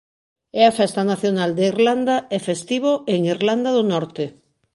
É a festa nacional de Irlanda e festivo en Irlanda do Norte.